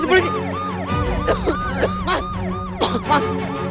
mas bangun mas